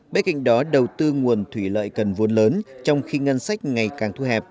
bế kinh đó đầu tư nguồn thủy lợi cần vốn lớn trong khi ngân sách ngày càng thu hẹp